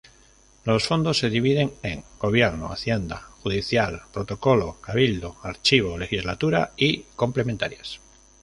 Los fondos se dividen en: gobierno, hacienda, judicial, protocolo, cabildo, archivo legislatura y complementarias.